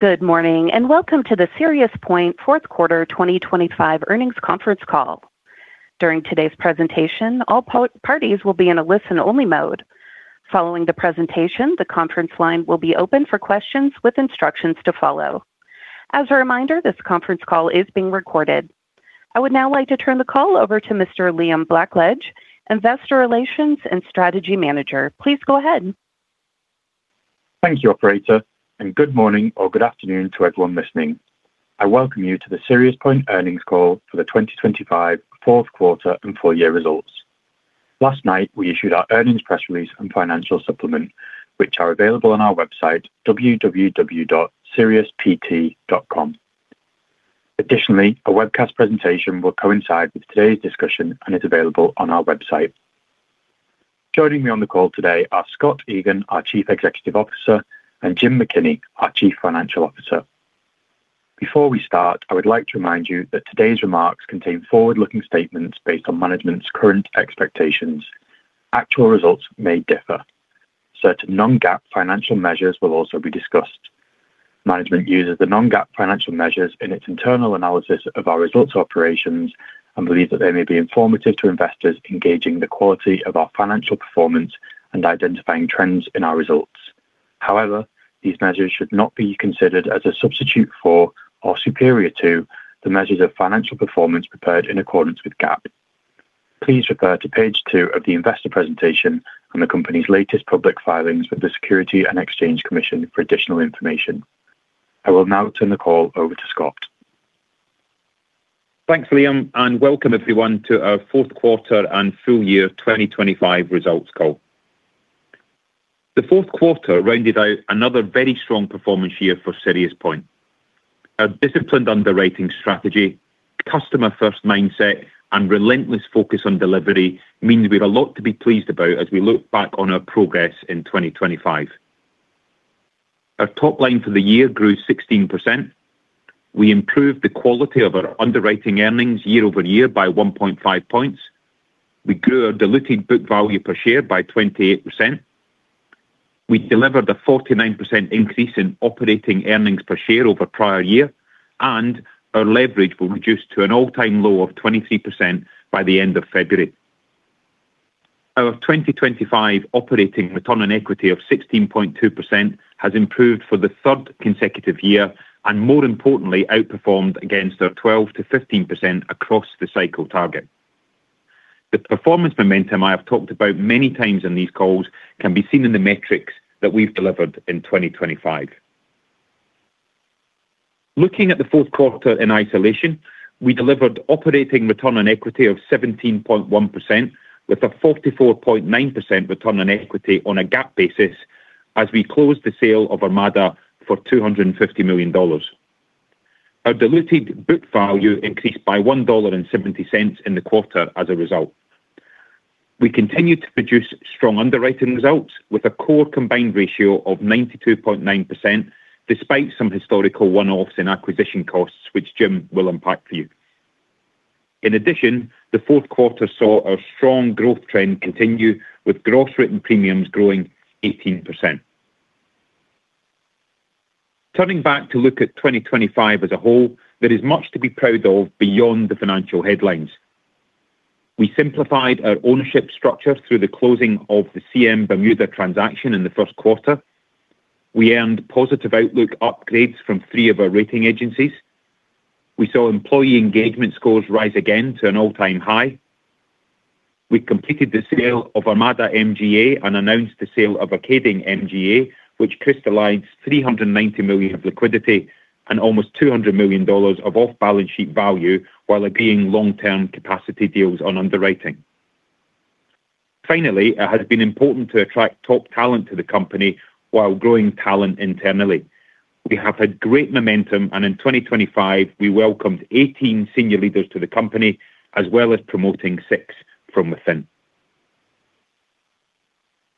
Good morning, and welcome to the SiriusPoint Q4 2025 Earnings Conference Call. During today's presentation, all parties will be in a listen-only mode. Following the presentation, the conference line will be open for questions with instructions to follow. As a reminder, this Conference Call is being recorded. I would now like to turn the call over to Mr. Liam Blackledge, Investor Relations and Strategy Manager. Please go ahead. Thank you, operator, and good morning or good afternoon to everyone listening. I welcome you to the SiriusPoint earnings call for the 2025 Q4 and full year results. Last night, we issued our earnings press release and financial supplement, which are available on our website, www.siriuspoint.com. Additionally, a webcast presentation will coincide with today's discussion and is available on our website. Joining me on the call today are Scott Egan, our Chief Executive Officer, and Jim McKinney, our Chief Financial Officer. Before we start, I would like to remind you that today's remarks contain forward-looking statements based on management's current expectations. Actual results may differ. Certain non-GAAP financial measures will also be discussed. Management uses the non-GAAP financial measures in its internal analysis of our results operations and believes that they may be informative to investors in gauging the quality of our financial performance and identifying trends in our results. However, these measures should not be considered as a substitute for or superior to the measures of financial performance prepared in accordance with GAAP. Please refer to page two of the investor presentation and the company's latest public filings with the Securities and Exchange Commission for additional information. I will now turn the call over to Scott. Thanks, Liam, and welcome everyone to our Q4 and full year 2025 results call. The Q4 rounded out another very strong performance year for SiriusPoint. Our disciplined underwriting strategy, customer-first mindset, and relentless focus on delivery mean we've a lot to be pleased about as we look back on our progress in 2025. Our top line for the year grew 16%. We improved the quality of our underwriting earnings year-over-year by 1.5 points. We grew our diluted book value per share by 28%. We delivered a 49% increase in operating earnings per share over prior year, and our leverage will reduce to an all-time low of 23% by the end of February. Our 2025 operating return on equity of 16.2% has improved for the third consecutive year and more importantly, outperformed against our 12%-15% across the cycle target. The performance momentum I have talked about many times in these calls can be seen in the metrics that we've delivered in 2025. Looking at the Q4 in isolation, we delivered operating return on equity of 17.1%, with a 44.9% return on equity on a GAAP basis as we closed the sale of Armada for $250 million. Our diluted book value increased by $1.70 in the quarter as a result. We continued to produce strong underwriting results with a core combined ratio of 92.9%, despite some historical one-offs in acquisition costs, which Jim will unpack for you. In addition, the Q4 saw a strong growth trend continue, with gross written premiums growing 18%. Turning back to look at 2025 as a whole, there is much to be proud of beyond the financial headlines. We simplified our ownership structure through the closing of the CM Bermuda transaction in the Q1. We earned positive outlook upgrades from three of our rating agencies. We saw employee engagement scores rise again to an all-time high. We completed the sale of Armada MGA and announced the sale of Arcadian MGA, which crystallized $390 million of liquidity and almost $200 million of off-balance sheet value while obtaining long-term capacity deals on underwriting. Finally, it has been important to attract top talent to the company while growing talent internally. We have had great momentum, and in 2025, we welcomed 18 senior leaders to the company, as well as promoting six from within.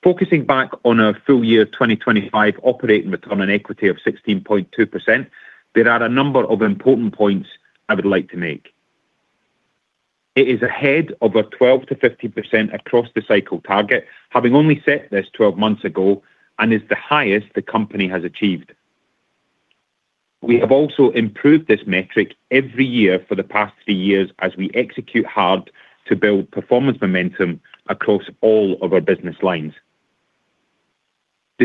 Focusing back on our full year 2025 operating return on equity of 16.2%, there are a number of important points I would like to make. It is ahead of our 12%-15% across the cycle target, having only set this 12 months ago and is the highest the company has achieved. We have also improved this metric every year for the past three years as we execute hard to build performance momentum across all of our business lines.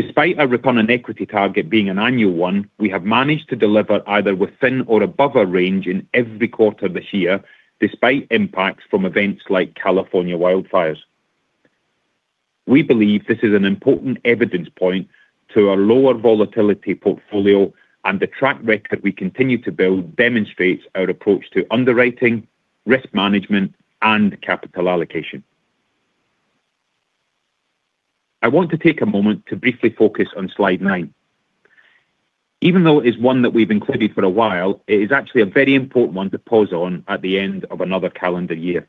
Despite our return on equity target being an annual one, we have managed to deliver either within or above our range in every quarter this year, despite impacts from events like California wildfires. We believe this is an important evidence point to our lower volatility portfolio, and the track record we continue to build demonstrates our approach to underwriting, risk management, and capital allocation. I want to take a moment to briefly focus on slide nine. Even though it is one that we've included for a while, it is actually a very important one to pause on at the end of another calendar year.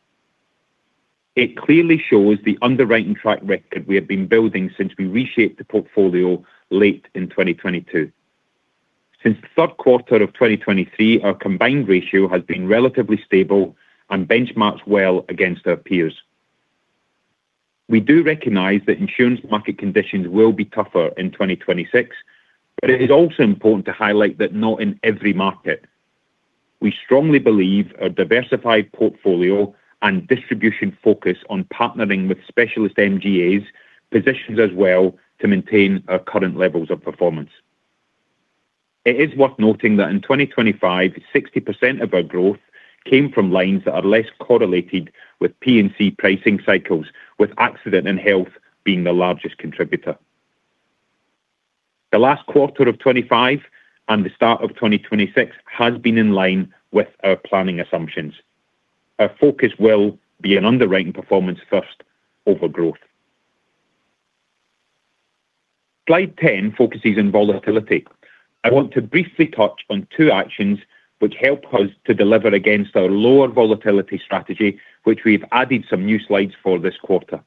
It clearly shows the underwriting track record we have been building since we reshaped the portfolio late in 2022. Since the Q3 of 2023, our combined ratio has been relatively stable and benchmarks well against our peers.... We do recognize that insurance market conditions will be tougher in 2026, but it is also important to highlight that not in every market. We strongly believe our diversified portfolio and distribution focus on partnering with specialist MGAs positions us well to maintain our current levels of performance. It is worth noting that in 2025, 60% of our growth came from lines that are less correlated with P&C pricing cycles, with accident and health being the largest contributor. The last quarter of 2025 and the start of 2026 has been in line with our planning assumptions. Our focus will be on underwriting performance first over growth. Slide 10 focuses on volatility. I want to briefly touch on two actions which help us to deliver against our lower volatility strategy, which we've added some new slides for this quarter.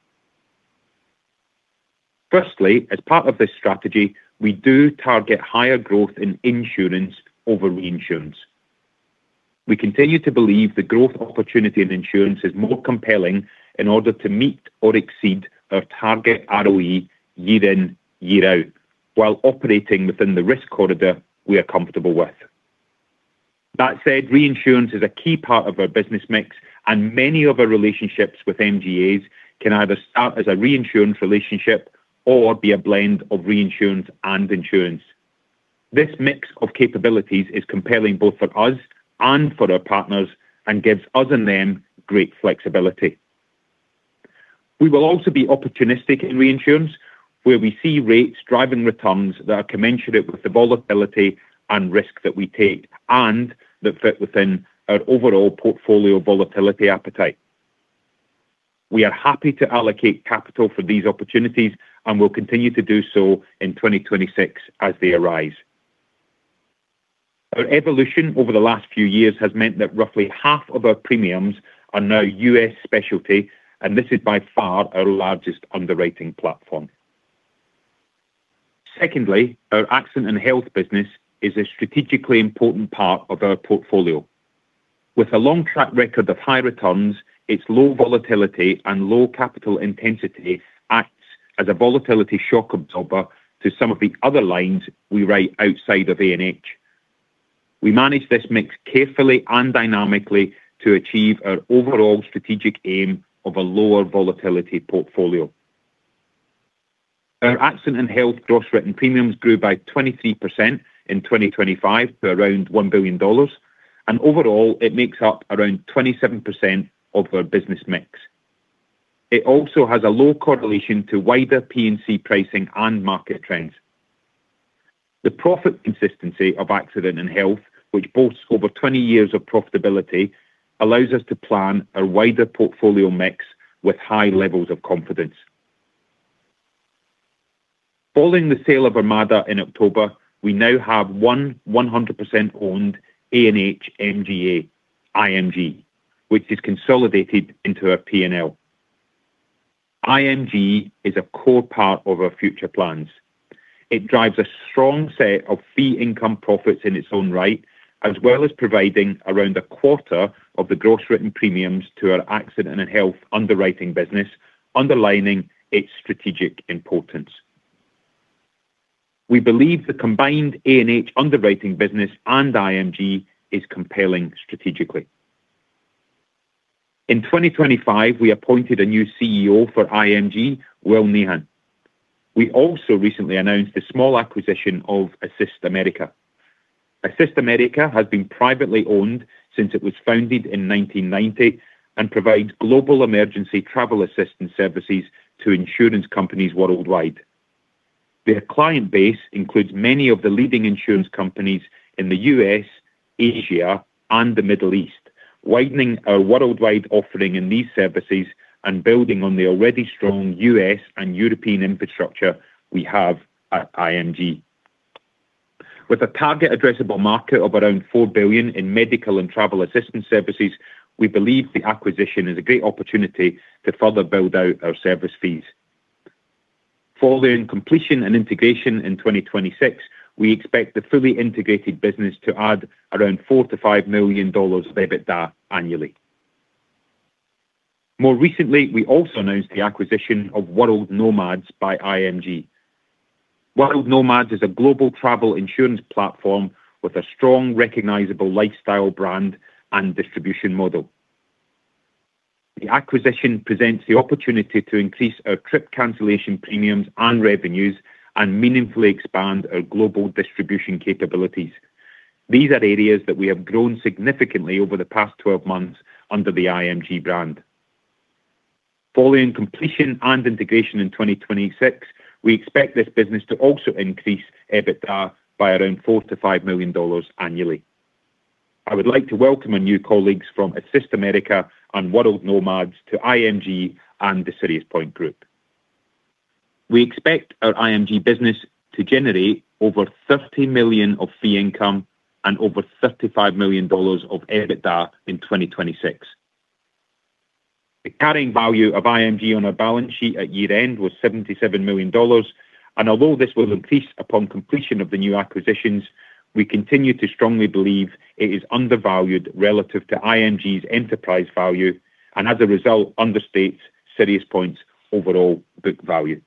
Firstly, as part of this strategy, we do target higher growth in insurance over reinsurance. We continue to believe the growth opportunity in insurance is more compelling in order to meet or exceed our target ROE year in, year out, while operating within the risk corridor we are comfortable with. That said, reinsurance is a key part of our business mix, and many of our relationships with MGAs can either start as a reinsurance relationship or be a blend of reinsurance and insurance. This mix of capabilities is compelling both for us and for our partners and gives us and them great flexibility. We will also be opportunistic in reinsurance, where we see rates driving returns that are commensurate with the volatility and risk that we take and that fit within our overall portfolio volatility appetite. We are happy to allocate capital for these opportunities and will continue to do so in 2026 as they arise. Our evolution over the last few years has meant that roughly half of our premiums are now U.S. specialty, and this is by far our largest underwriting platform. Secondly, our accident and health business is a strategically important part of our portfolio. With a long track record of high returns, its low volatility and low capital intensity acts as a volatility shock absorber to some of the other lines we write outside of A&H. We manage this mix carefully and dynamically to achieve our overall strategic aim of a lower volatility portfolio. Our accident and health gross written premiums grew by 23% in 2025 to around $1 billion, and overall, it makes up around 27% of our business mix. It also has a low correlation to wider P&C pricing and market trends. The profit consistency of accident and health, which boasts over 20 years of profitability, allows us to plan our wider portfolio mix with high levels of confidence. Following the sale of ArmadaCare in October, we now have 100% owned A&H MGA, IMG, which is consolidated into our P&L. IMG is a core part of our future plans. It drives a strong set of fee income profits in its own right, as well as providing around a quarter of the gross written premiums to our accident and health underwriting business, underlining its strategic importance. We believe the combined A&H underwriting business and IMG is compelling strategically. In 2025, we appointed a new CEO for IMG, Will Nihan. We also recently announced the small acquisition of Assist America. Assist America has been privately owned since it was founded in 1990 and provides global emergency travel assistance services to insurance companies worldwide. Their client base includes many of the leading insurance companies in the U.S., Asia, and the Middle East, widening our worldwide offering in these services and building on the already strong U.S. and European infrastructure we have at IMG. With a target addressable market of around $4 billion in medical and travel assistance services, we believe the acquisition is a great opportunity to further build out our service fees. Following completion and integration in 2026, we expect the fully integrated business to add around $4 million-$5 million EBITDA annually. More recently, we also announced the acquisition of World Nomads by IMG. World Nomads is a global travel insurance platform with a strong, recognizable lifestyle brand and distribution model. The acquisition presents the opportunity to increase our trip cancellation premiums and revenues and meaningfully expand our global distribution capabilities. These are areas that we have grown significantly over the past 12 months under the IMG brand. Following completion and integration in 2026, we expect this business to also increase EBITDA by around $4 million-$5 million annually. I would like to welcome our new colleagues from Assist America and World Nomads to IMG and the SiriusPoint Group. We expect our IMG business to generate over $30 million of fee income and over $35 million of EBITDA in 2026. The carrying value of IMG on our balance sheet at year-end was $77 million, and although this will increase upon completion of the new acquisitions-... We continue to strongly believe it is undervalued relative to IMG's enterprise value, and as a result, understates SiriusPoint's overall book value.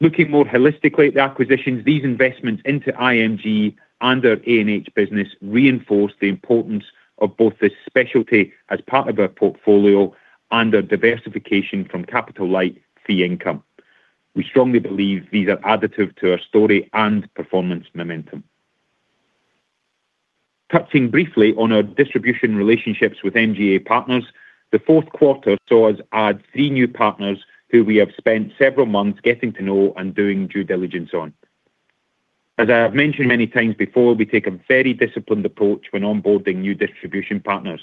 Looking more holistically at the acquisitions, these investments into IMG and our A&H business reinforce the importance of both this specialty as part of our portfolio and our diversification from capital-light fee income. We strongly believe these are additive to our story and performance momentum. Touching briefly on our distribution relationships with MGA partners, the Q4 saw us add three new partners who we have spent several months getting to know and doing due diligence on. As I have mentioned many times before, we take a very disciplined approach when onboarding new distribution partners.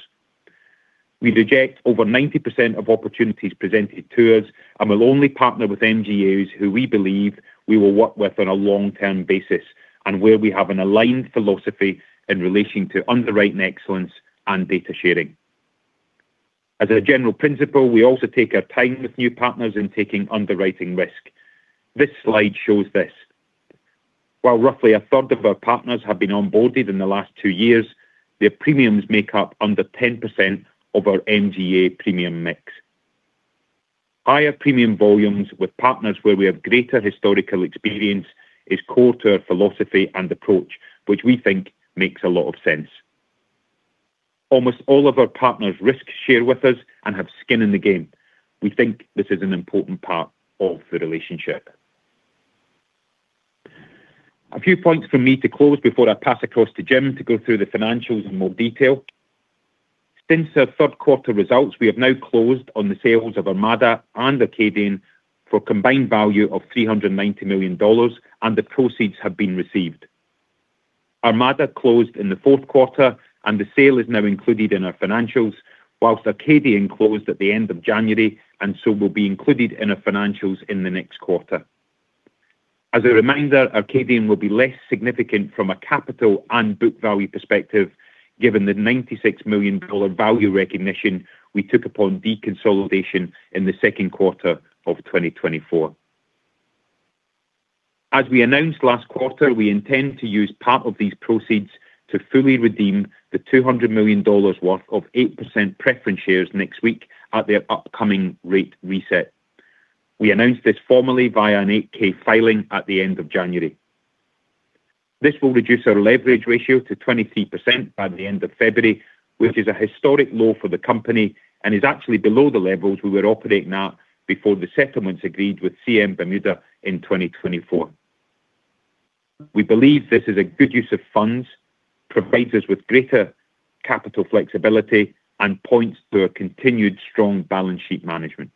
We reject over 90% of opportunities presented to us, and we'll only partner with MGAs who we believe we will work with on a long-term basis, and where we have an aligned philosophy in relation to underwriting excellence and data sharing. As a general principle, we also take our time with new partners in taking underwriting risk. This slide shows this. While roughly a third of our partners have been onboarded in the last two years, their premiums make up under 10% of our MGA premium mix. Higher premium volumes with partners where we have greater historical experience is core to our philosophy and approach, which we think makes a lot of sense. Almost all of our partners risk share with us and have skin in the game. We think this is an important part of the relationship. A few points from me to close before I pass across to Jim to go through the financials in more detail. Since our Q3 results, we have now closed on the sales of ArmadaCare and Arcadian for a combined value of $390 million, and the proceeds have been received. ArmadaCare closed in the Q4, and the sale is now included in our financials, while Arcadian closed at the end of January, and so will be included in our financials in the next quarter. As a reminder, Arcadian will be less significant from a capital and book value perspective, given the $96 million value recognition we took upon deconsolidation in the Q2 of 2024. As we announced last quarter, we intend to use part of these proceeds to fully redeem the $200 million worth of 8% preference shares next week at their upcoming rate reset. We announced this formally via an 8-K filing at the end of January. This will reduce our leverage ratio to 23% by the end of February, which is a historic low for the company and is actually below the levels we were operating at before the settlements agreed with CM Bermuda in 2024. We believe this is a good use of funds, provides us with greater capital flexibility, and points to a continued strong balance sheet management.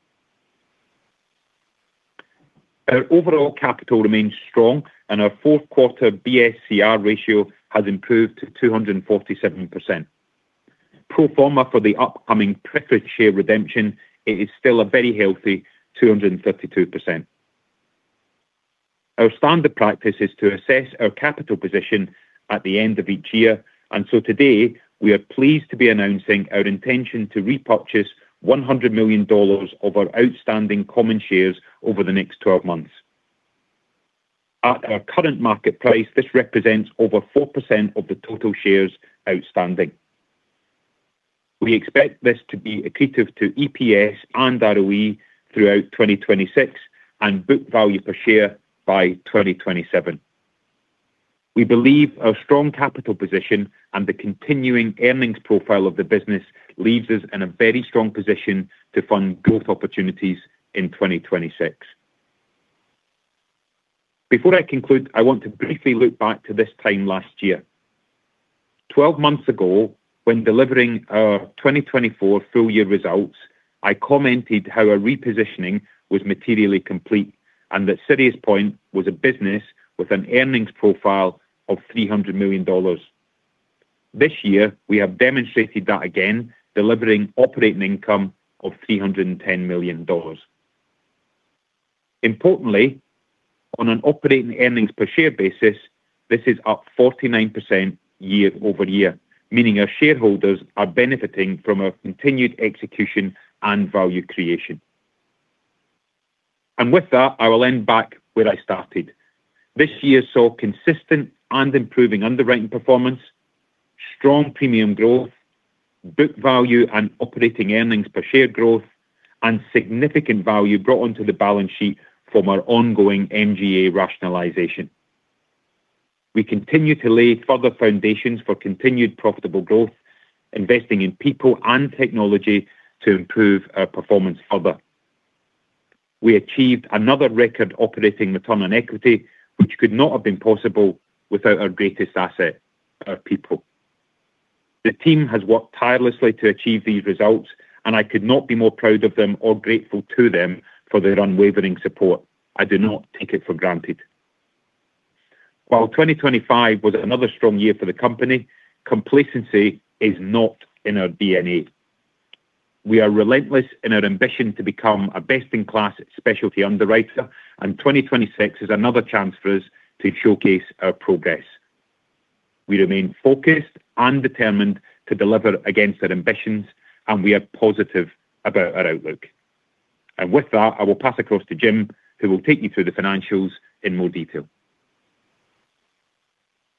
Our overall capital remains strong, and our Q4 BSCR ratio has improved to 247%. Pro forma for the upcoming preference share redemption, it is still a very healthy 252%. Our standard practice is to assess our capital position at the end of each year, and so today we are pleased to be announcing our intention to repurchase $100 million of our outstanding common shares over the next 12 months. At our current market price, this represents over 4% of the total shares outstanding. We expect this to be accretive to EPS and ROE throughout 2026, and book value per share by 2027. We believe our strong capital position and the continuing earnings profile of the business leaves us in a very strong position to fund growth opportunities in 2026. Before I conclude, I want to briefly look back to this time last year. 12 months ago, when delivering our 2024 full year results, I commented how our repositioning was materially complete and that SiriusPoint was a business with an earnings profile of $300 million. This year, we have demonstrated that again, delivering operating income of $310 million. Importantly, on an operating earnings per share basis, this is up 49% year-over-year, meaning our shareholders are benefiting from our continued execution and value creation. And with that, I will end back where I started. This year saw consistent and improving underwriting performance, strong premium growth, book value and operating earnings per share growth, and significant value brought onto the balance sheet from our ongoing MGA rationalization. We continue to lay further foundations for continued profitable growth, investing in people and technology to improve our performance further. We achieved another record operating return on equity, which could not have been possible without our greatest asset, our people. The team has worked tirelessly to achieve these results, and I could not be more proud of them or grateful to them for their unwavering support. I do not take it for granted. While 2025 was another strong year for the company, complacency is not in our DNA. We are relentless in our ambition to become a best-in-class specialty underwriter, and 2026 is another chance for us to showcase our progress.... We remain focused and determined to deliver against our ambitions, and we are positive about our outlook. With that, I will pass across to Jim, who will take you through the financials in more detail.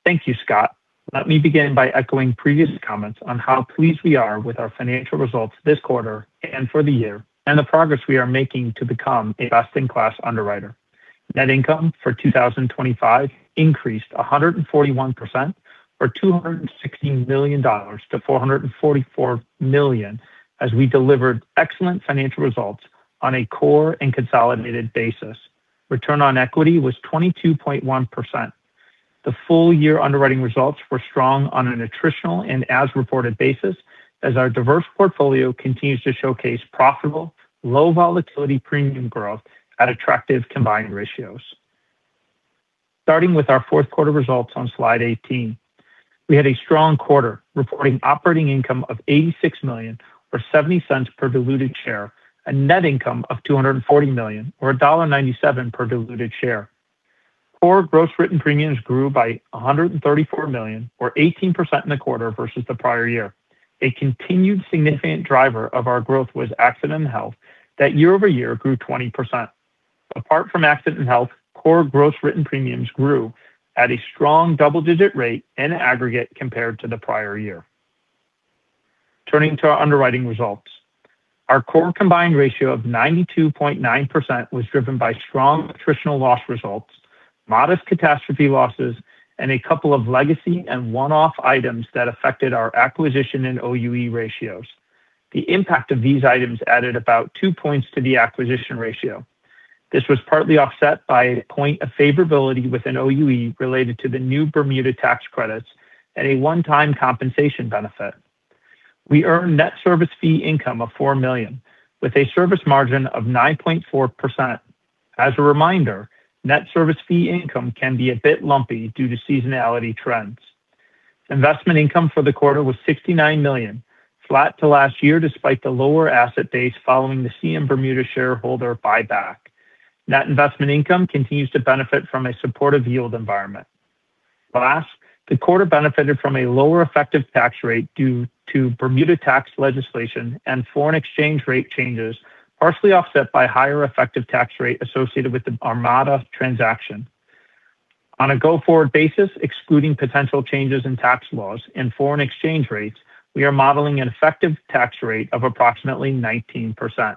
Thank you, Scott. Let me begin by echoing previous comments on how pleased we are with our financial results this quarter and for the year, and the progress we are making to become a best-in-class underwriter. Net income for 2025 increased 141% or $216 million to $444 million as we delivered excellent financial results on a core and consolidated basis. Return on equity was 22.1%. The full-year underwriting results were strong on an attritional and as-reported basis, as our diverse portfolio continues to showcase profitable, low volatility premium growth at attractive combined ratios. Starting with our Q4 results on slide 18, we had a strong quarter, reporting operating income of $86 million or $0.70 per diluted share, a net income of $240 million or $1.97 per diluted share. Core gross written premiums grew by $134 million or 18% in the quarter versus the prior year. A continued significant driver of our growth was accident and health that year-over-year grew 20%. Apart from accident and health, core gross written premiums grew at a strong double-digit rate in aggregate compared to the prior year. Turning to our underwriting results. Our core combined ratio of 92.9% was driven by strong attritional loss results, modest catastrophe losses, and a couple of legacy and one-off items that affected our acquisition and OUE ratios. The impact of these items added about 2 points to the acquisition ratio. This was partly offset by a point of favorability with an OUE related to the new Bermuda tax credits at a one-time compensation benefit. We earned net service fee income of $4 million, with a service margin of 9.4%. As a reminder, net service fee income can be a bit lumpy due to seasonality trends. Investment income for the quarter was $69 million, flat to last year, despite the lower asset base following the CM Bermuda shareholder buyback. Net investment income continues to benefit from a supportive yield environment. Last, the quarter benefited from a lower effective tax rate due to Bermuda tax legislation and foreign exchange rate changes, partially offset by higher effective tax rate associated with the Armada transaction. On a go-forward basis, excluding potential changes in tax laws and foreign exchange rates, we are modeling an effective tax rate of approximately 19%.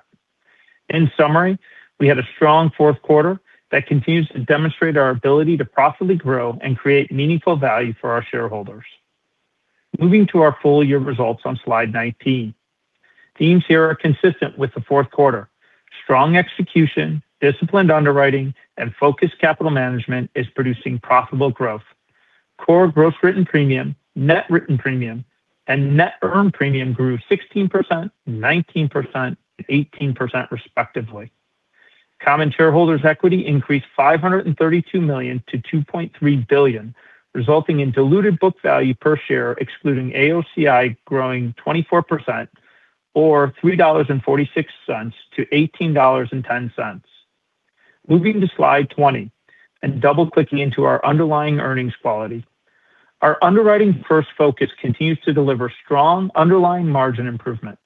In summary, we had a strong Q4 that continues to demonstrate our ability to profitably grow and create meaningful value for our shareholders. Moving to our full-year results on slide 19. Themes here are consistent with the Q4. Strong execution, disciplined underwriting, and focused capital management is producing profitable growth. Core gross written premium, net written premium, and net earned premium grew 16%, 19%, and 18%, respectively. Common shareholders' equity increased $532 million to $2.3 billion, resulting in diluted book value per share, excluding AOCI, growing 24% or $3.46 to $18.10. Moving to slide 20 and double-clicking into our underlying earnings quality. Our underwriting first focus continues to deliver strong underlying margin improvement.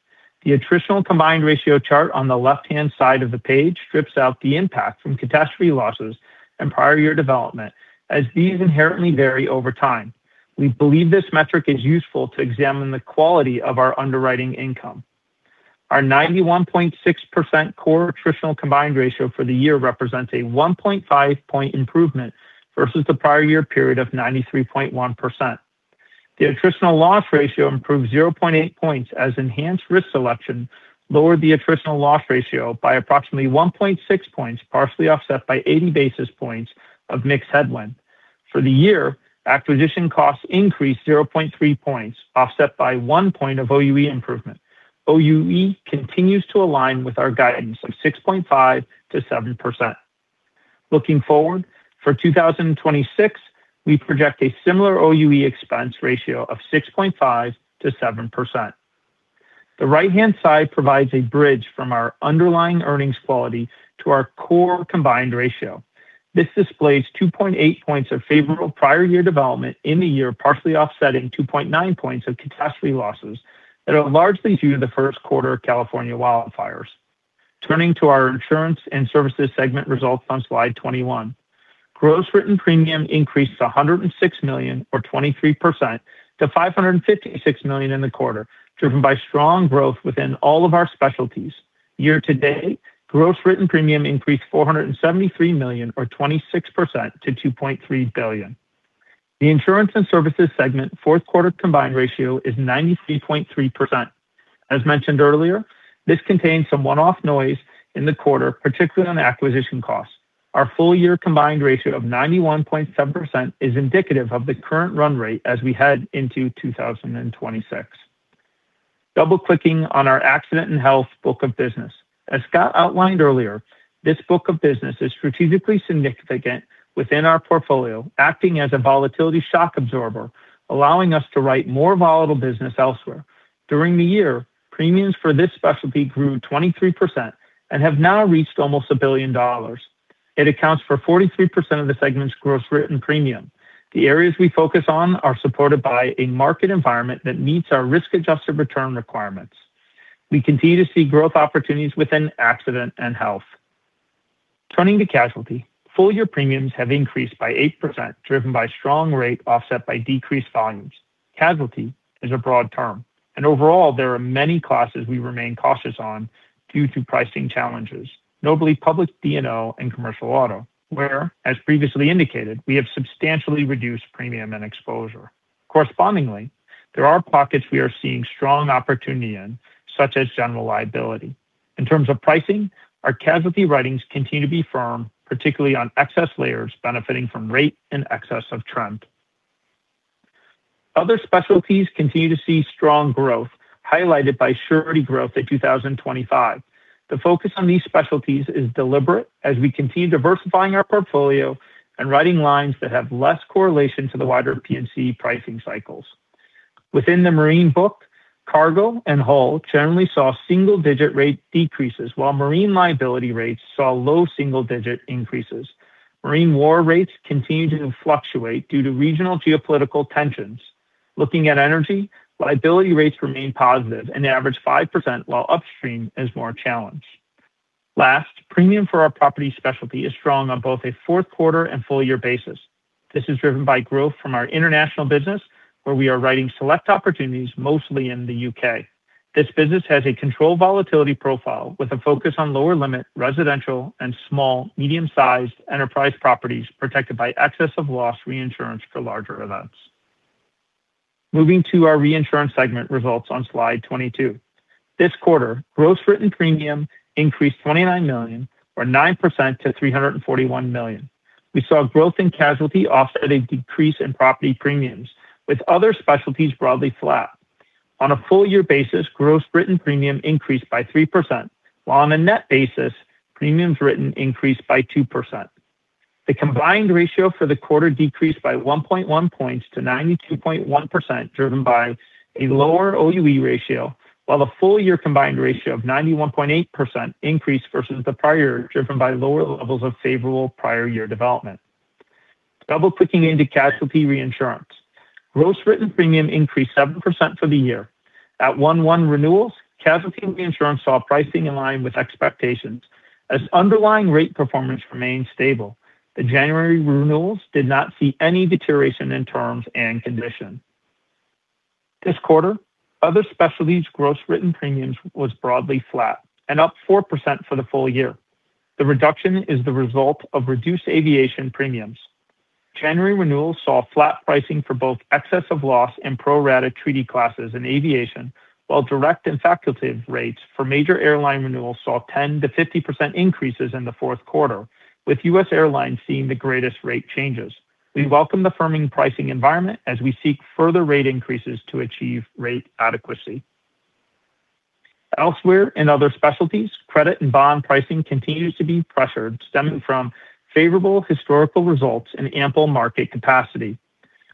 The attritional combined ratio chart on the left-hand side of the page strips out the impact from catastrophe losses and prior year development, as these inherently vary over time. We believe this metric is useful to examine the quality of our underwriting income. Our 91.6% core attritional combined ratio for the year represents a 1.5-point improvement versus the prior year period of 93.1%. The attritional loss ratio improved 0.8 points as enhanced risk selection lowered the attritional loss ratio by approximately 1.6 points, partially offset by 80 basis points of mixed headwind. For the year, acquisition costs increased 0.3 points, offset by 1 point of OUE improvement. OUE continues to align with our guidance of 6.5%-7%. Looking forward, for 2026, we project a similar OUE expense ratio of 6.5%-7%. The right-hand side provides a bridge from our underlying earnings quality to our core combined ratio. This displays 2.8 points of favorable prior year development in the year, partially offsetting 2.9 points of catastrophe losses that are largely due to the Q1 California wildfires. Turning to our insurance and services segment results on slide 21. Gross written premium increased to $106 million or 23% to $556 million in the quarter, driven by strong growth within all of our specialties. Year to date, gross written premium increased $473 million or 26% to $2.3 billion. The insurance and services segment Q4 combined ratio is 93.3%. As mentioned earlier, this contains some one-off noise in the quarter, particularly on acquisition costs. Our full-year combined ratio of 91.7% is indicative of the current run rate as we head into 2026. Double-clicking on our accident and health book of business. As Scott outlined earlier, this book of business is strategically significant within our portfolio, acting as a volatility shock absorber, allowing us to write more volatile business elsewhere. During the year, premiums for this specialty grew 23% and have now reached almost $1 billion. It accounts for 43% of the segment's gross written premium. The areas we focus on are supported by a market environment that meets our risk-adjusted return requirements. We continue to see growth opportunities within accident and health. Turning to casualty, full-year premiums have increased by 8%, driven by strong rate offset by decreased volumes. Casualty is a broad term, and overall, there are many classes we remain cautious on due to pricing challenges, notably public D&O and commercial auto, where, as previously indicated, we have substantially reduced premium and exposure. Correspondingly, there are pockets we are seeing strong opportunity in, such as general liability. In terms of pricing, our casualty writings continue to be firm, particularly on excess layers, benefiting from rate and excess of trend. Other specialties continue to see strong growth, highlighted by surety growth in 2025. The focus on these specialties is deliberate as we continue diversifying our portfolio and writing lines that have less correlation to the wider P&C pricing cycles. Within the marine book, cargo and hull generally saw single-digit rate decreases, while marine liability rates saw low single-digit increases. Marine war rates continue to fluctuate due to regional geopolitical tensions. Looking at energy, liability rates remain positive and average 5%, while upstream is more challenged. Last, premium for our property specialty is strong on both a Q4 and full year basis. This is driven by growth from our international business, where we are writing select opportunities, mostly in the U.K. This business has a controlled volatility profile with a focus on lower limit, residential and small, medium-sized enterprise properties protected by excess of loss reinsurance for larger events. Moving to our reinsurance segment results on slide 22. This quarter, gross written premium increased $29 million, or 9% to $341 million. We saw growth in casualty offsetting decrease in property premiums, with other specialties broadly flat. On a full year basis, gross written premium increased by 3%, while on a net basis, premiums written increased by 2%. The combined ratio for the quarter decreased by 1.1 points to 92.1%, driven by a lower OUE ratio, while the full-year combined ratio of 91.8% increased versus the prior year, driven by lower levels of favorable prior year development. Double-clicking into casualty reinsurance. Gross written premium increased 7% for the year. At 1-1 renewals, casualty reinsurance saw pricing in line with expectations as underlying rate performance remained stable. The January renewals did not see any deterioration in terms and conditions. This quarter, other specialties gross written premiums was broadly flat and up 4% for the full year. The reduction is the result of reduced aviation premiums. January renewals saw flat pricing for both excess of loss and pro-rata treaty classes in aviation, while direct and facultative rates for major airline renewals saw 10%-50% increases in the Q4, with U.S. airlines seeing the greatest rate changes. We welcome the firming pricing environment as we seek further rate increases to achieve rate adequacy. Elsewhere in other specialties, credit and bond pricing continues to be pressured, stemming from favorable historical results and ample market capacity.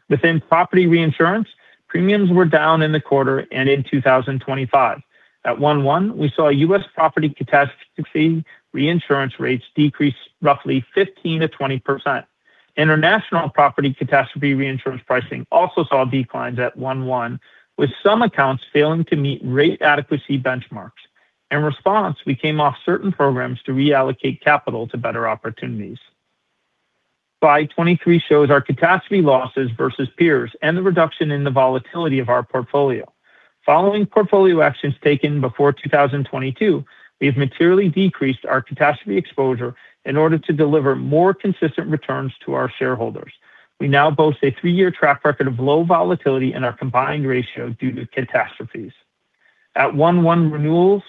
Within property reinsurance, premiums were down in the quarter and in 2025. At 1-1, we saw U.S. property catastrophe reinsurance rates decrease roughly 15%-20%. International property catastrophe reinsurance pricing also saw declines at 1-1, with some accounts failing to meet rate adequacy benchmarks. In response, we came off certain programs to reallocate capital to better opportunities. Slide 23 shows our catastrophe losses versus peers and the reduction in the volatility of our portfolio. Following portfolio actions taken before 2022, we have materially decreased our catastrophe exposure in order to deliver more consistent returns to our shareholders. We now boast a three-year track record of low volatility in our combined ratio due to catastrophes. At 1-1 renewals,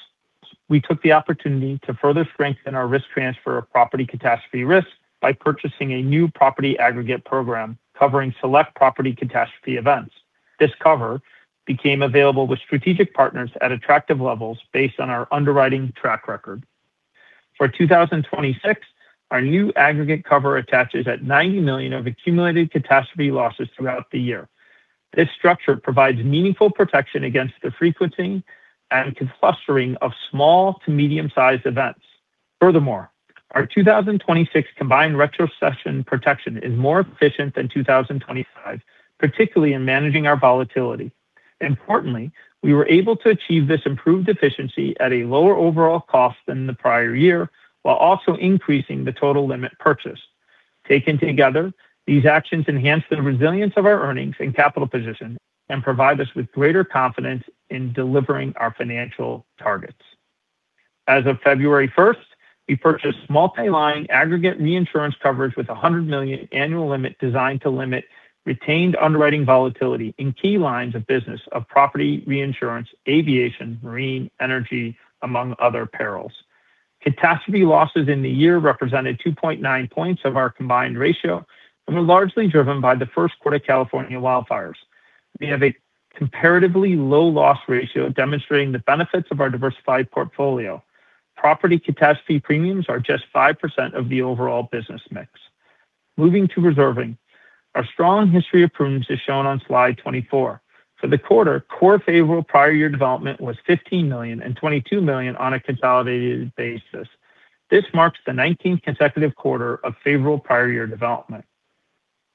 we took the opportunity to further strengthen our risk transfer of property catastrophe risks by purchasing a new property aggregate program covering select property catastrophe events. This cover became available with strategic partners at attractive levels based on our underwriting track record. For 2026, our new aggregate cover attaches at $90 million of accumulated catastrophe losses throughout the year. This structure provides meaningful protection against the frequency and clustering of small to medium-sized events. Furthermore, our 2026 combined retrocession protection is more efficient than 2025, particularly in managing our volatility. Importantly, we were able to achieve this improved efficiency at a lower overall cost than the prior year, while also increasing the total limit purchased. Taken together, these actions enhance the resilience of our earnings and capital position and provide us with greater confidence in delivering our financial targets. As of February 1, we purchased multi-line aggregate reinsurance coverage with a $100 million annual limit designed to limit retained underwriting volatility in key lines of business of property reinsurance, aviation, marine, energy, among other perils. Catastrophe losses in the year represented 2.9 points of our combined ratio and were largely driven by the Q1 California wildfires. We have a comparatively low loss ratio, demonstrating the benefits of our diversified portfolio. Property catastrophe premiums are just 5% of the overall business mix. Moving to reserving. Our strong history of prudence is shown on slide 24. For the quarter, core favorable prior year development was $15 million and $22 million on a consolidated basis. This marks the 19th consecutive quarter of favorable prior year development.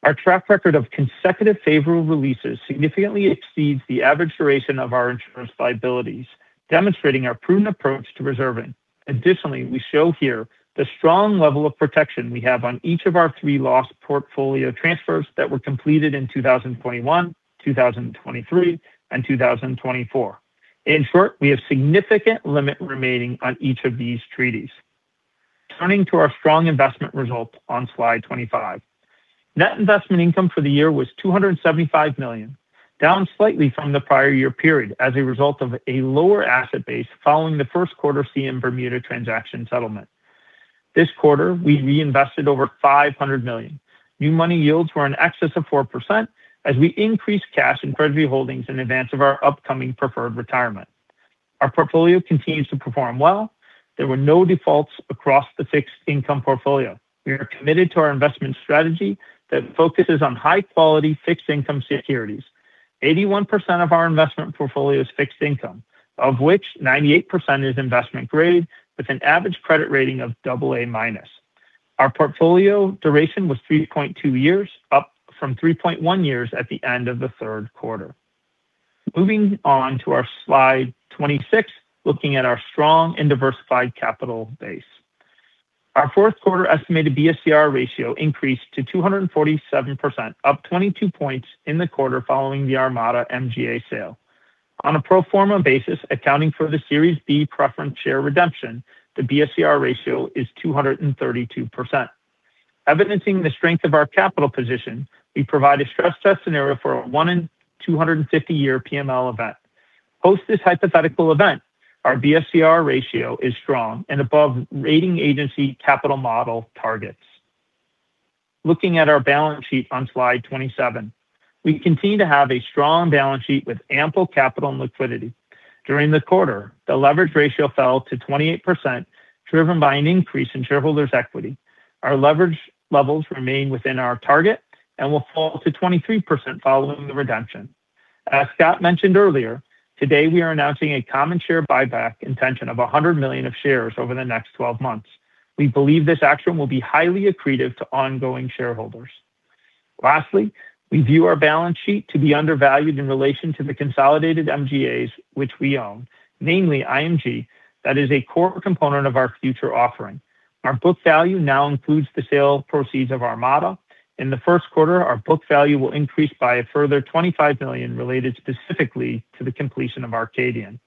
Our track record of consecutive favorable releases significantly exceeds the average duration of our insurance liabilities, demonstrating our prudent approach to reserving. Additionally, we show here the strong level of protection we have on each of our three loss portfolio transfers that were completed in 2021, 2023, and 2024. In short, we have significant limit remaining on each of these treaties. Turning to our strong investment results on slide 25. Net investment income for the year was $275 million, down slightly from the prior year period as a result of a lower asset base following the Q1 CM Bermuda transaction settlement. This quarter, we reinvested over $500 million. New money yields were in excess of 4% as we increased cash and credit holdings in advance of our upcoming preferred retirement. Our portfolio continues to perform well. There were no defaults across the fixed income portfolio. We are committed to our investment strategy that focuses on high-quality fixed income securities. 81% of our investment portfolio is fixed income, of which 98% is investment grade, with an average credit rating of double A minus. Our portfolio duration was 3.2 years, up from 3.1 years at the end of the Q3. Moving on to our slide 26, looking at our strong and diversified capital base. Our Q4 estimated BSCR ratio increased to 247%, up 22 points in the quarter following the Armada MGA sale. On a pro forma basis, accounting for the Series B preference share redemption, the BSCR ratio is 232%. Evidencing the strength of our capital position, we provide a stress test scenario for a 1 in 250 year PML event. Post this hypothetical event, our BSCR ratio is strong and above rating agency capital model targets. Looking at our balance sheet on slide 27, we continue to have a strong balance sheet with ample capital and liquidity. During the quarter, the leverage ratio fell to 28%, driven by an increase in shareholders' equity. Our leverage levels remain within our target and will fall to 23% following the redemption. As Scott mentioned earlier, today, we are announcing a common share buyback intention of $100 million of shares over the next 12 months. We believe this action will be highly accretive to ongoing shareholders. Lastly, we view our balance sheet to be undervalued in relation to the consolidated MGAs, which we own, namely IMG. That is a core component of our future offering. Our book value now includes the sale proceeds of Armada. In the Q1, our book value will increase by a further $25 million, related specifically to the completion of Arcadian.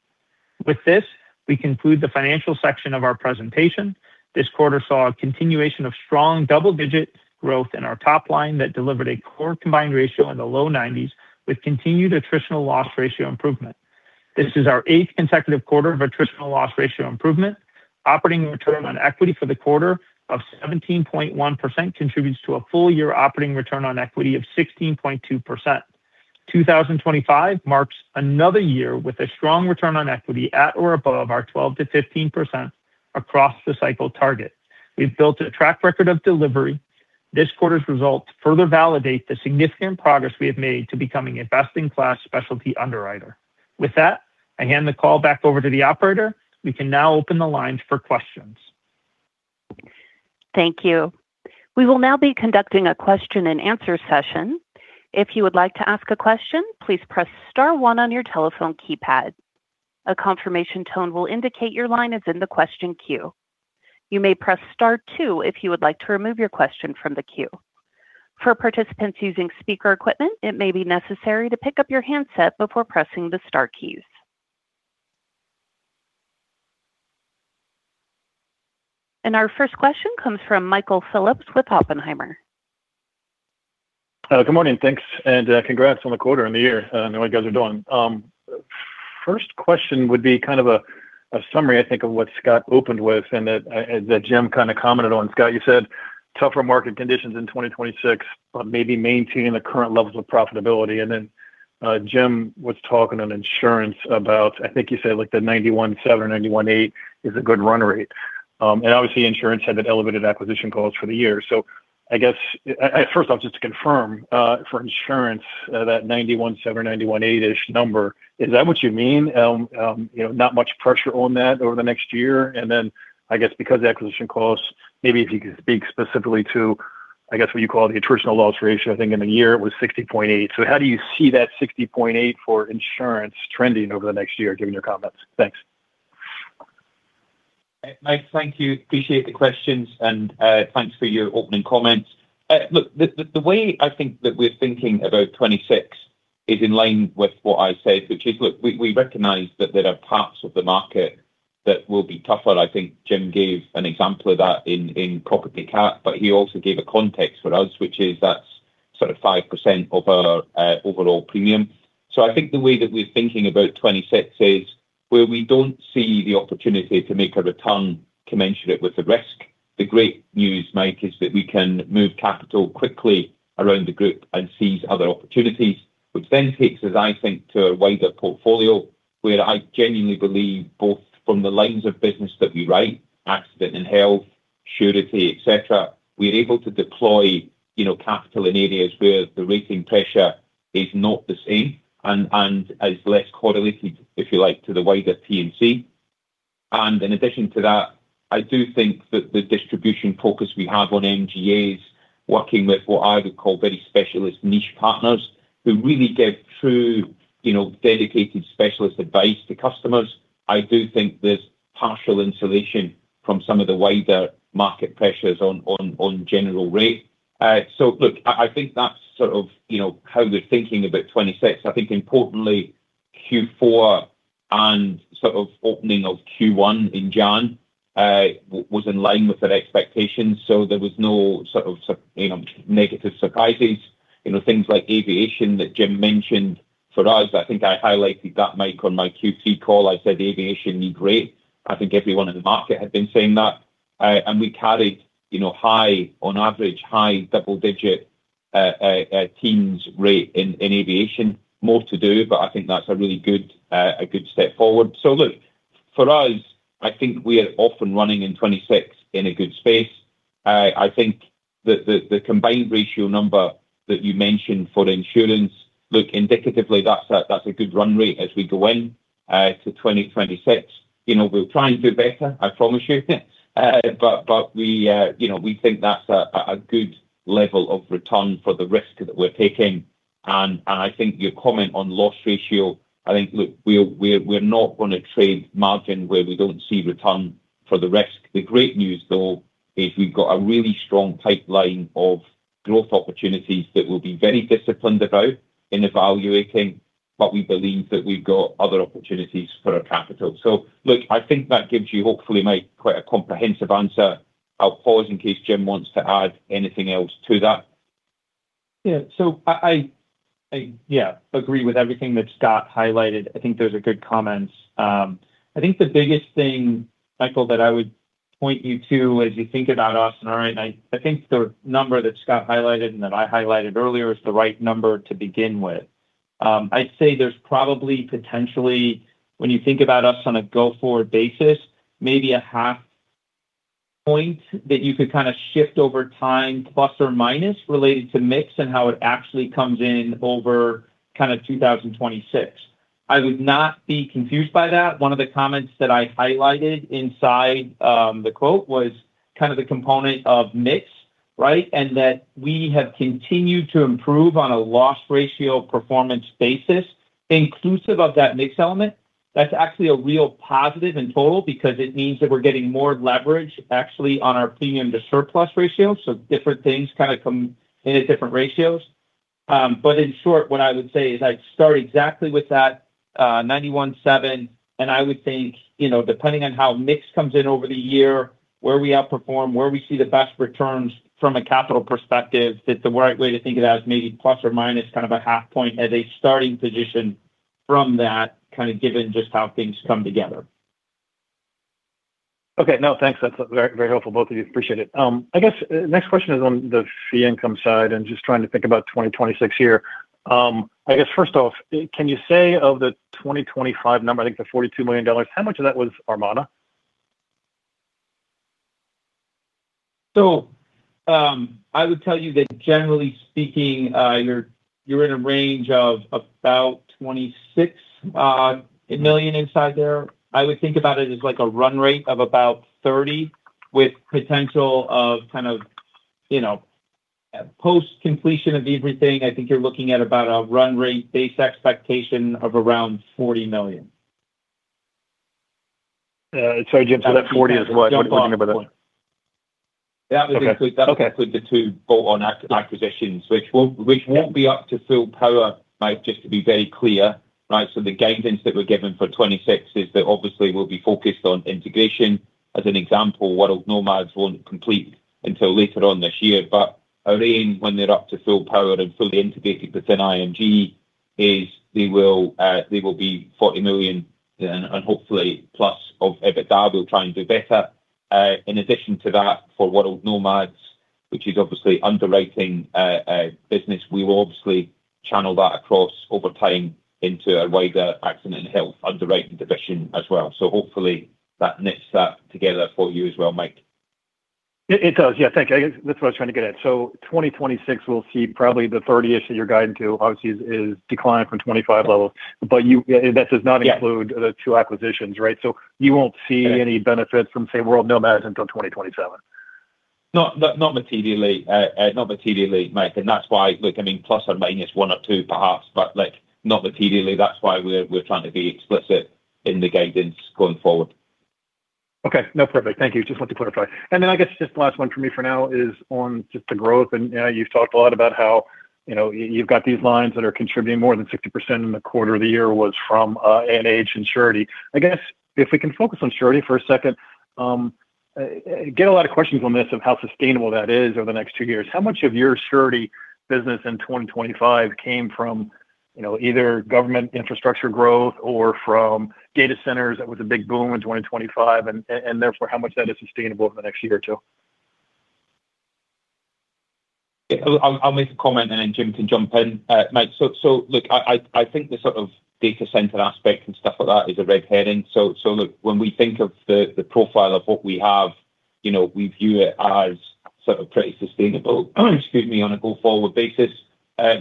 With this, we conclude the financial section of our presentation. This quarter saw a continuation of strong double-digit growth in our top line that delivered a core combined ratio in the low 90s, with continued attritional loss ratio improvement. This is our eighth consecutive quarter of attritional loss ratio improvement. Operating return on equity for the quarter of 17.1% contributes to a full year operating return on equity of 16.2%. 2025 marks another year with a strong return on equity at or above our 12%-15% across the cycle target. We've built a track record of delivery. This quarter's results further validate the significant progress we have made to becoming a best-in-class specialty underwriter. With that, I hand the call back over to the operator. We can now open the lines for questions. Thank you. We will now be conducting a question-and-answer session. If you would like to ask a question, please press star one on your telephone keypad. A confirmation tone will indicate your line is in the question queue. You may press star two if you would like to remove your question from the queue. For participants using speaker equipment, it may be necessary to pick up your handset before pressing the star keys. Our first question comes from Michael Phillips with Oppenheimer. Good morning. Thanks, and congrats on the quarter and the year on what you guys are doing. First question would be kind of a summary, I think, of what Scott opened with and that Jim kind of commented on. Scott, you said tougher market conditions in 2026, but maybe maintaining the current levels of profitability. And then, Jim was talking on insurance about I think you said, like the 91.7 or 91.8 is a good run rate. And obviously insurance had that elevated acquisition costs for the year. So I guess, at first, I'll just to confirm, for insurance, that 91.7 or 91.8-ish number, is that what you mean? You know, not much pressure on that over the next year, and then I guess because acquisition costs, maybe if you could speak specifically to, I guess, what you call the attritional loss ratio. I think in the year it was 60.8%. So how do you see that 60.8% for insurance trending over the next year, given your comments? Thanks. Mike, thank you. Appreciate the questions, and thanks for your opening comments. Look, the way I think that we're thinking about 2026 is in line with what I said, which is, look, we recognize that there are parts of the market that will be tougher. I think Jim gave an example of that in property cat, but he also gave a context for us, which is that's sort of 5% of our overall premium. So I think the way that we're thinking about 2026 is, where we don't see the opportunity to make a return commensurate with the risk, the great news, Mike, is that we can move capital quickly around the group and seize other opportunities, which then takes us, I think, to a wider portfolio.... where I genuinely believe both from the lines of business that we write, accident and health, surety, et cetera, we're able to deploy, you know, capital in areas where the rating pressure is not the same and, and is less correlated, if you like, to the wider P&C. And in addition to that, I do think that the distribution focus we have on MGAs, working with what I would call very specialist niche partners, who really give true, you know, dedicated specialist advice to customers, I do think there's partial insulation from some of the wider market pressures on, on, on general rate. So look, I, I think that's sort of, you know, how we're thinking about 26. I think importantly, Q4 and sort of opening of Q1 in January was in line with their expectations, so there was no sort of, you know, negative surprises. You know, things like aviation that Jim mentioned. For us, I think I highlighted that, Mike, on my Q3 call. I said aviation needed rate. I think everyone in the market had been saying that. And we carried, you know, high, on average, high double-digit teens rate in aviation. More to do, but I think that's a really good step forward. So look, for us, I think we are off and running in 2026 in a good space. I think the combined ratio number that you mentioned for insurance, look, indicatively, that's a good run rate as we go in to 2026. You know, we'll try and do better, I promise you. But we, you know, we think that's a good level of return for the risk that we're taking. And I think your comment on loss ratio, I think, look, we're not gonna trade margin where we don't see return for the risk. The great news, though, is we've got a really strong pipeline of growth opportunities that we'll be very disciplined about in evaluating, but we believe that we've got other opportunities for our capital. So look, I think that gives you, hopefully, Mike, quite a comprehensive answer. I'll pause in case Jim wants to add anything else to that. Yeah. So I agree with everything that Scott highlighted. I think those are good comments. I think the biggest thing, Michael, that I would point you to as you think about us, all right, I think the number that Scott highlighted and that I highlighted earlier is the right number to begin with. I'd say there's probably, potentially, when you think about us on a go-forward basis, maybe a 0.5 point that you could kinda shift over time, plus or minus, related to mix and how it actually comes in over kind of 2026. I would not be confused by that. One of the comments that I highlighted inside, um, the quote was kind of the component of mix, right? And that we have continued to improve on a loss ratio performance basis, inclusive of that mix element. That's actually a real positive in total because it means that we're getting more leverage actually on our premium to surplus ratio, so different things kind of come in at different ratios. But in short, what I would say is I'd start exactly with that 91.7, and I would think, you know, depending on how mix comes in over the year, where we outperform, where we see the best returns from a capital perspective, that the right way to think of that is maybe ± a half point as a starting position from that, kind of given just how things come together. Okay, no, thanks. That's very, very helpful, both of you. Appreciate it. I guess, next question is on the fee income side and just trying to think about 2026 here. I guess, first off, can you say of the 2025 number, I think the $42 million, how much of that was Armada? So, I would tell you that generally speaking, you're in a range of about $26 million inside there. I would think about it as like a run rate of about $30 million, with potential of kind of, you know... Post-completion of everything, I think you're looking at about a run rate base expectation of around $40 million. Sorry, Jim, so that 40 is what? What are we talking about? That would include- Okay. That include the two bolt-on acquisitions, which won't, which won't be up to full power, Mike, just to be very clear, right? So the guidance that we're given for 2026 is that obviously we'll be focused on integration. As an example, World Nomads won't complete until later on this year. But our aim, when they're up to full power and fully integrated within IMG, is they will, they will be $40 million and, and hopefully plus of EBITDA. We'll try and do better. In addition to that, for World Nomads, which is obviously underwriting, a business, we will obviously channel that across over time into our wider accident and health underwriting division as well. So hopefully that knits that together for you as well, Mike. It does. Yeah, thank you. I guess that's what I was trying to get at. So 2026, we'll see probably the 30-ish that you're guiding to, obviously, is declined from 25 levels. But you... that does not include- Yeah... the two acquisitions, right? So you won't see any benefits from, say, World Nomads until 2027. Not materially, Mike, and that's why... Look, I mean, plus or minus one or two, perhaps, but, like, not materially. That's why we're trying to be explicit in the guidance going forward. Okay. No, perfect. Thank you. Just want to clarify. And then I guess just the last one for me for now is on just the growth. And, yeah, you've talked a lot about how, you know, you've got these lines that are contributing more than 60% in the quarter of the year was from A&H and Surety. I guess, if we can focus on Surety for a second, get a lot of questions on this, of how sustainable that is over the next two years. How much of your Surety business in 2025 came from, you know, either government infrastructure growth or from data centers? That was a big boom in 2025, and, and therefore, how much of that is sustainable over the next year or two?... I'll make a comment, and then Jim can jump in, Mike. So, look, I think the sort of data center aspect and stuff like that is a red herring. So, look, when we think of the profile of what we have, you know, we view it as sort of pretty sustainable, excuse me, on a go-forward basis,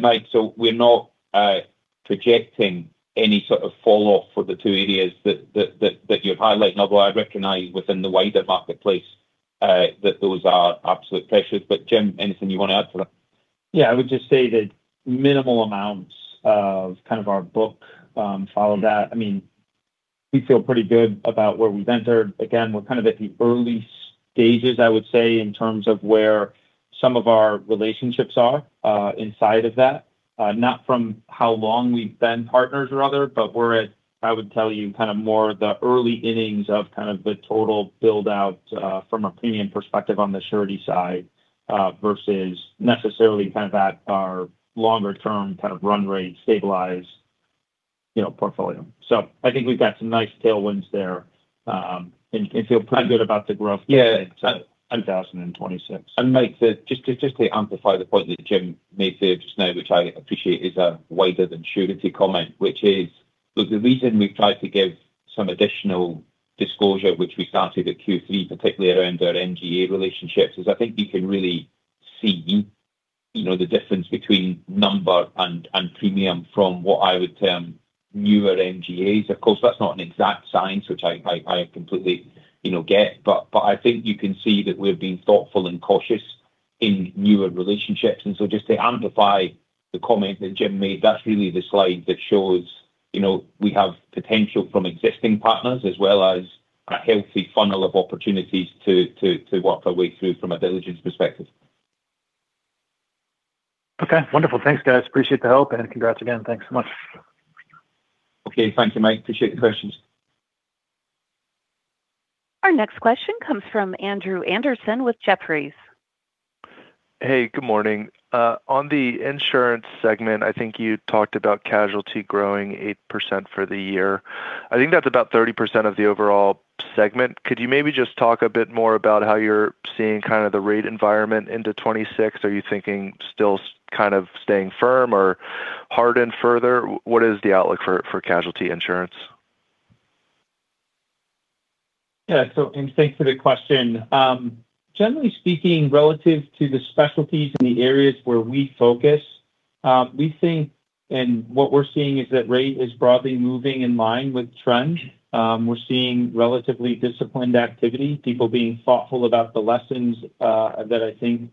Mike. So we're not projecting any sort of fall-off for the two areas that you're highlighting, although I recognize within the wider marketplace that those are absolute pressures. But Jim, anything you want to add to that? Yeah, I would just say that minimal amounts of kind of our book follow that. I mean, we feel pretty good about where we've entered. Again, we're kind of at the early stages, I would say, in terms of where some of our relationships are inside of that, not from how long we've been partners or other, but we're at, I would tell you, kind of more the early innings of kind of the total build-out from a premium perspective on the surety side versus necessarily kind of at our longer-term kind of run rate, stabilized, you know, portfolio. So I think we've got some nice tailwinds there, and feel pretty good about the growth- Yeah. - in 2026. Mike, just to amplify the point that Jim made here just now, which I appreciate, is a wider than surety comment, which is, look, the reason we've tried to give some additional disclosure, which we started at Q3, particularly around our MGA relationships, is I think you can really see, you know, the difference between number and premium from what I would term newer MGAs. Of course, that's not an exact science, which I completely, you know, get, but I think you can see that we've been thoughtful and cautious in newer relationships. So just to amplify the comment that Jim made, that's really the slide that shows, you know, we have potential from existing partners, as well as a healthy funnel of opportunities to work our way through from a diligence perspective. Okay, wonderful. Thanks, guys. Appreciate the help, and congrats again. Thanks so much. Okay. Thank you, Mike. Appreciate the questions. Our next question comes from Andrew Andersen with Jefferies. Hey, good morning. On the insurance segment, I think you talked about casualty growing 8% for the year. I think that's about 30% of the overall segment. Could you maybe just talk a bit more about how you're seeing kind of the rate environment into 2026? Are you thinking still kind of staying firm or hardened further? What is the outlook for casualty insurance? Yeah, so... thanks for the question. Generally speaking, relative to the specialties in the areas where we focus, we think, and what we're seeing is that rate is broadly moving in line with trend. We're seeing relatively disciplined activity, people being thoughtful about the lessons that I think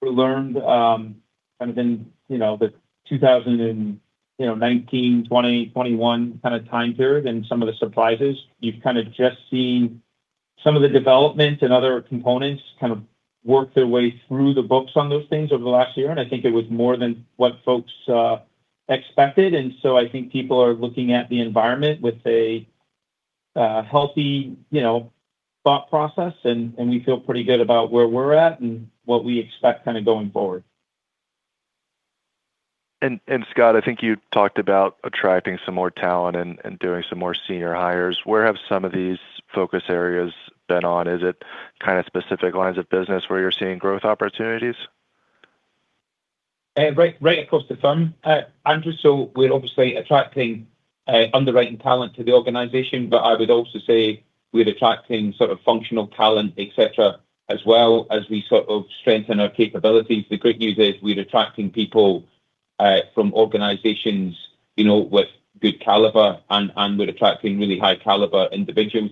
were learned kind of in, you know, the 2019, 2020, 2021 kind of time period and some of the surprises. You've kind of just seen some of the development and other components kind of work their way through the books on those things over the last year, and I think it was more than what folks expected. And so I think people are looking at the environment with a healthy, you know, thought process, and we feel pretty good about where we're at and what we expect kind of going forward. Scott, I think you talked about attracting some more talent and doing some more senior hires. Where have some of these focus areas been on? Is it kind of specific lines of business where you're seeing growth opportunities? Right across the firm, Andrew, so we're obviously attracting underwriting talent to the organization, but I would also say we're attracting sort of functional talent, et cetera, as well as we sort of strengthen our capabilities. The great news is we're attracting people from organizations, you know, with good caliber, and we're attracting really high caliber individuals.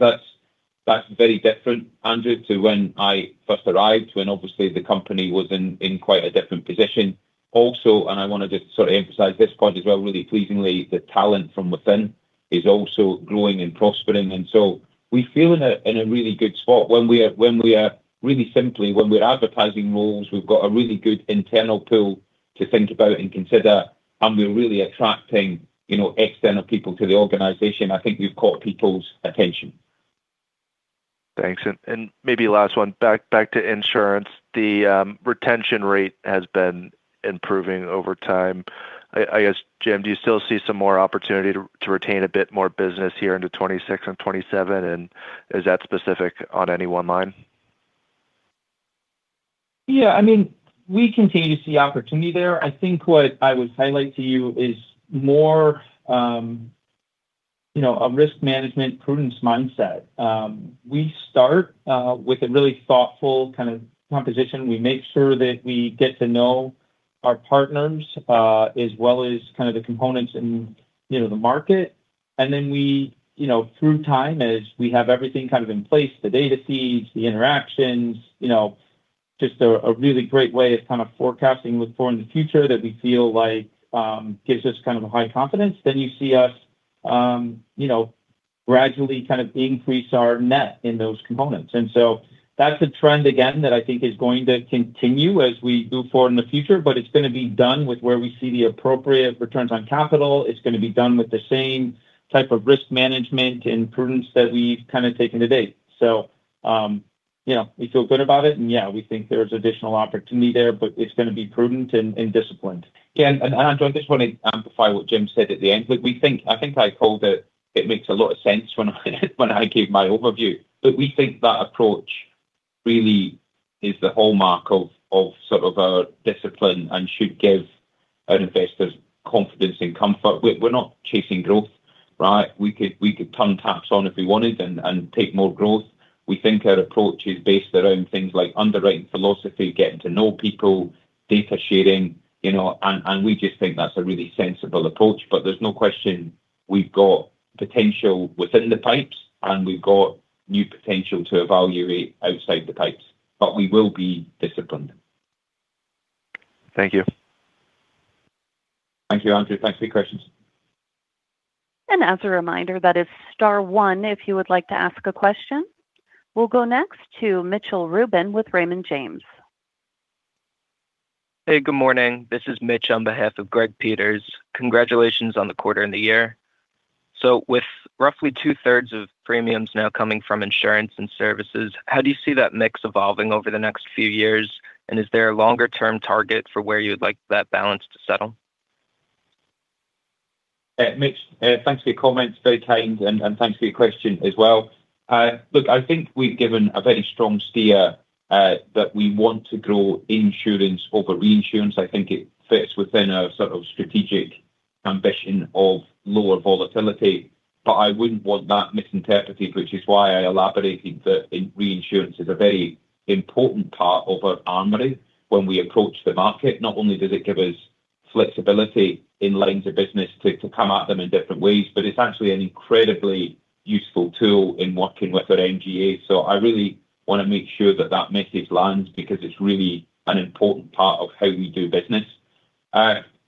That's very different, Andrew, to when I first arrived, when obviously the company was in quite a different position. Also, and I want to just sort of emphasize this point as well, really pleasingly, the talent from within is also growing and prospering, and so we feel in a really good spot. When we're advertising roles, we've got a really good internal pool to think about and consider, and we're really attracting, you know, external people to the organization. I think we've caught people's attention. Thanks. And maybe last one. Back to insurance. The retention rate has been improving over time. I guess, Jim, do you still see some more opportunity to retain a bit more business here into 2026 and 2027? And is that specific on any one line? Yeah, I mean, we continue to see opportunity there. I think what I would highlight to you is more, you know, a risk management prudence mindset. We start with a really thoughtful kind of composition. We make sure that we get to know our partners, as well as kind of the components in, you know, the market. And then we, you know, through time, as we have everything kind of in place, the data feeds, the interactions, you know, just a really great way of kind of forecasting look forward in the future that we feel like, gives us kind of a high confidence. Then you see us, you know, gradually kind of increase our net in those components. So that's a trend, again, that I think is going to continue as we move forward in the future, but it's going to be done with where we see the appropriate returns on capital. It's going to be done with the same type of risk management and prudence that we've kind of taken to date. So, you know, we feel good about it, and, yeah, we think there's additional opportunity there, but it's going to be prudent and disciplined. Yeah, and Andrew, I just want to amplify what Jim said at the end. Look, we think. I think I called it. It makes a lot of sense when I gave my overview. But we think that approach really is the hallmark of sort of our discipline and should give our investors confidence and comfort. We're not chasing growth, right? We could turn taps on if we wanted and take more growth. We think our approach is based around things like underwriting philosophy, getting to know people, data sharing, you know, and we just think that's a really sensible approach. But there's no question we've got potential within the pipes, and we've got new potential to evaluate outside the pipes, but we will be disciplined. Thank you. Thank you, Andrew. Thanks for your questions. As a reminder, that is star one if you would like to ask a question. We'll go next to Mitchell Rubin with Raymond James. Hey, good morning. This is Mitch on behalf of Greg Peters. Congratulations on the quarter and the year. So with roughly two-thirds of premiums now coming from insurance and services, how do you see that mix evolving over the next few years? And is there a longer-term target for where you would like that balance to settle? Mitch, thanks for your comments, very kind, and thanks for your question as well. Look, I think we've given a very strong steer that we want to grow insurance over reinsurance. I think it fits within our sort of strategic ambition of lower volatility. But I wouldn't want that misinterpreted, which is why I elaborated that reinsurance is a very important part of our armory when we approach the market. Not only does it give us flexibility in lines of business to come at them in different ways, but it's actually an incredibly useful tool in working with our MGA. So I really want to make sure that that message lands because it's really an important part of how we do business.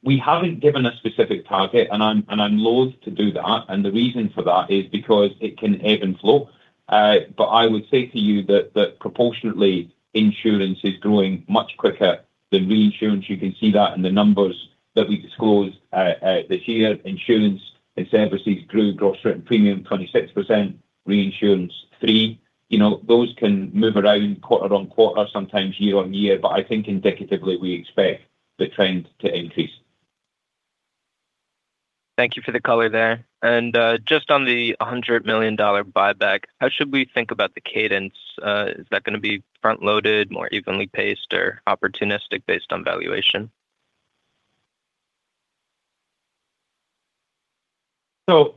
We haven't given a specific target, and I'm loathe to do that, and the reason for that is because it can ebb and flow. But I would say to you that proportionately, insurance is growing much quicker than reinsurance. You can see that in the numbers that we disclosed this year. Insurance and services grew gross written premium 26%, reinsurance 3%. You know, those can move around quarter on quarter, sometimes year on year, but I think indicatively, we expect the trend to increase. Thank you for the color there. Just on the $100 million buyback, how should we think about the cadence? Is that going to be front-loaded, more evenly paced, or opportunistic based on valuation? Look,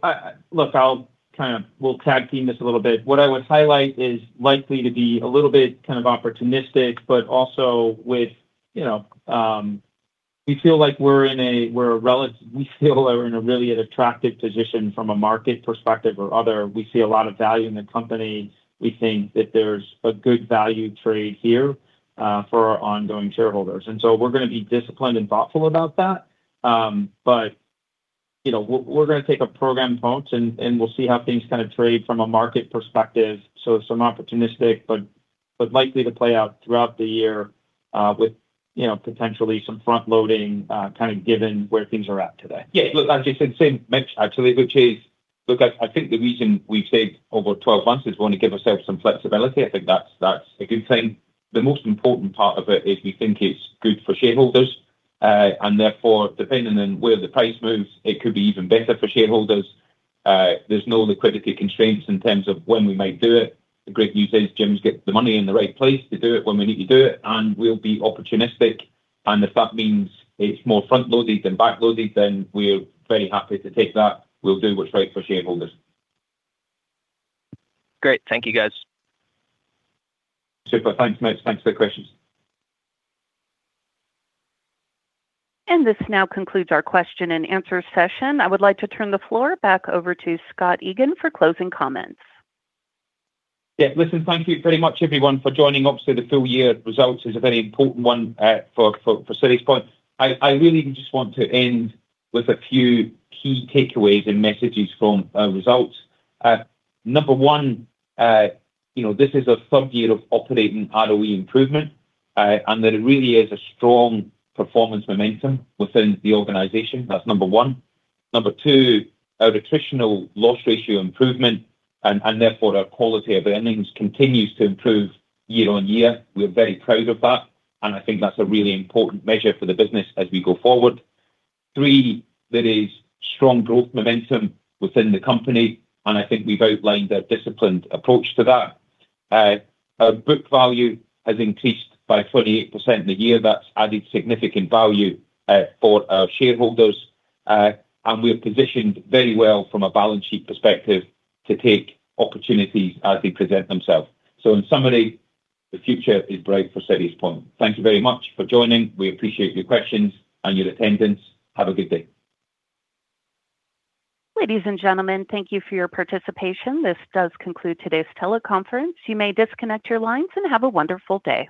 we'll tag team this a little bit. What I would highlight is likely to be a little bit kind of opportunistic, but also with, you know, we feel like we're in a, we're a relative - we feel we're in a really attractive position from a market perspective or other. We see a lot of value in the company. We think that there's a good value trade here, for our ongoing shareholders, and so we're going to be disciplined and thoughtful about that. But, you know, we're going to take a programmed approach, and we'll see how things kind of trade from a market perspective. So some opportunistic, but likely to play out throughout the year, with, you know, potentially some front loading, kind of, given where things are at today. Yeah. Look, as you said, same Mitch, actually, which is... Look, I, I think the reason we've said over 12 months is we want to give ourselves some flexibility. I think that's, that's a good thing. The most important part of it is we think it's good for shareholders, and therefore, depending on where the price moves, it could be even better for shareholders. There's no liquidity constraints in terms of when we might do it. The great news is Jim's got the money in the right place to do it when we need to do it, and we'll be opportunistic. And if that means it's more front-loaded than backloaded, then we're very happy to take that. We'll do what's right for shareholders. Great. Thank you, guys. Super. Thanks, Mitch. Thanks for the questions. This now concludes our question and answer session. I would like to turn the floor back over to Scott Egan for closing comments. Yeah. Listen, thank you very much, everyone, for joining. Obviously, the full-year results is a very important one for SiriusPoint. I really just want to end with a few key takeaways and messages from our results. Number one, you know, this is our third year of operating ROE improvement, and there really is a strong performance momentum within the organization. That's number one. Number two, our attritional loss ratio improvement and therefore our quality of earnings continues to improve year-on-year. We're very proud of that, and I think that's a really important measure for the business as we go forward. Three, there is strong growth momentum within the company, and I think we've outlined a disciplined approach to that. Our book value has increased by 48% in the year. That's added significant value for our shareholders, and we're positioned very well from a balance sheet perspective to take opportunities as they present themselves. So in summary, the future is bright for SiriusPoint. Thank you very much for joining. We appreciate your questions and your attendance. Have a good day. Ladies and gentlemen, thank you for your participation. This does conclude today's teleconference. You may disconnect your lines and have a wonderful day.